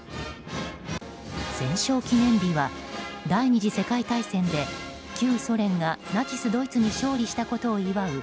戦勝記念日は第２次世界大戦で旧ソ連がナチスドイツに勝利したことを祝う